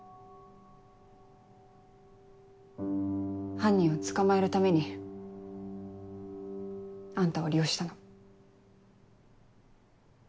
犯人を捕まえるためにあんたを利用したの。